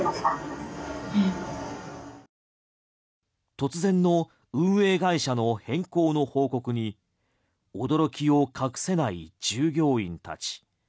突然の運営会社の変更の報告に驚きを隠せない従業員たち。